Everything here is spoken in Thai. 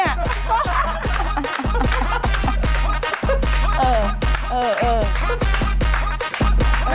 เออเออเออ